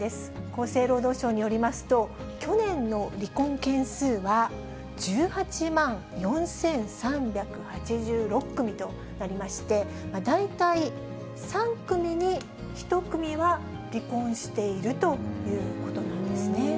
厚生労働省によりますと、去年の離婚件数は、１８万４３８６組となりまして、大体３組に１組は離婚しているということなんですね。